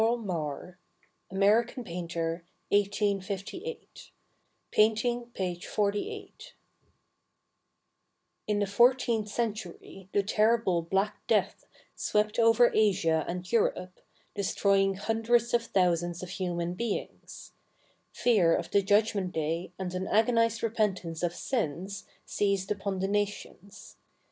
THE FLAGELLANTS L THE FLAGELLANTS BY CARL MARK 'itcrkan painkr, 1S5 In the fourteenth century the terrible Black Death swept over Asia and Europe, destroying hundreds of thousands of human beings. Fear of the judgment day and an agonized repentance of sins seized upon the nations.